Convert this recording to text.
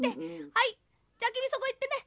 「はいじゃあきみそこいってね。